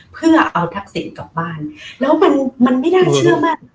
เพื่อเอาทักษิณกลับบ้านแล้วมันมันไม่น่าเชื่อมั่น